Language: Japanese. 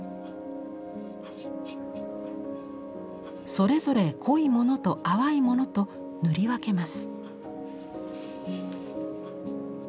それぞれ濃いものと淡いものと塗り分けます。